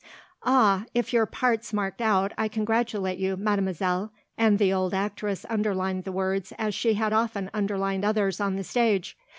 "Ah, if your part's marked out I congratulate you, mademoiselle!" and the old actress underlined the words as she had often underlined others on the stage.